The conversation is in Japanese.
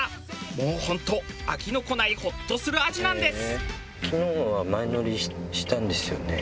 もう本当飽きのこないホッとする味なんです。